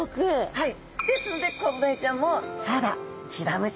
はい。